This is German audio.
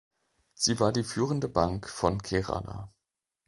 Sie war die führende Bank von Kerala.